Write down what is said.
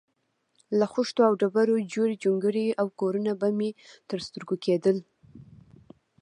له خښتو او ډبرو جوړې جونګړې او کورونه به مې تر سترګو کېدل.